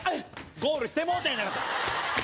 ゴールしてもうたやないか。